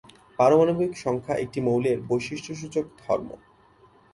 পারমাণবিক সংখ্যা একটি মৌলের বৈশিষ্ট্যসূচক ধর্ম।